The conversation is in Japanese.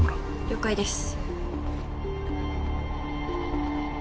了解です。